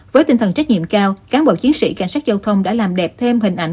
với tinh thần trách nhiệm cao cán bộ chiến sĩ cảnh sát giao thông đã làm đẹp thêm hình ảnh